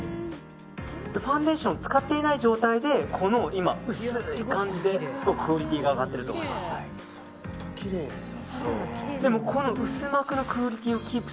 ファンデーションを使っていない状態でこの薄い感じですごくクオリティーが上がってると思います。